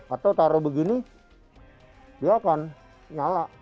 atau taruh begini dia akan nyala